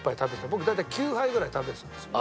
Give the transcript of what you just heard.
僕大体９杯ぐらい食べてたんですよ